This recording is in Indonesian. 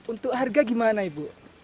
untuk harga gimana ibu